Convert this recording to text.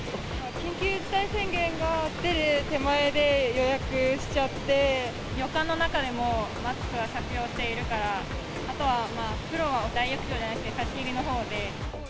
緊急事態宣言が出る手前で予旅館の中でもマスクは着用しているから、あとはまあ、お風呂は大浴場じゃなくて貸し切りのほうで。